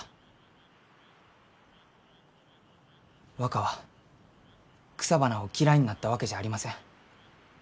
若は草花を嫌いになったわけじゃありません。